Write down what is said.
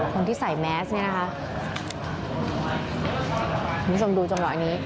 คนที่ใส่แมสเนี่ยนะคะ